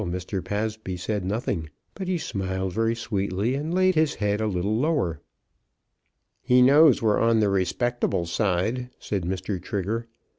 [Illustration: Still Mr. Pabsby said nothing; but he smiled very sweetly, and laid his head a little lower.] "He knows we're on the respectable side," said Mr. Trigger.